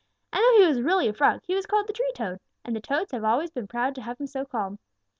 And though he was really a Frog, he was called the Tree Toad, and the Toads have always been proud to have him so called.